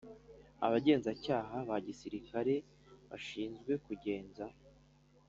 Abagenzacyaha ba Gisirikare bashinzwe kugenza